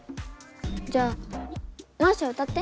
じゃあマーシャ歌って。